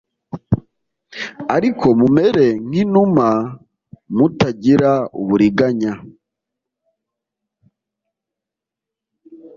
Ariko mumere nk inuma mutagira uburiganya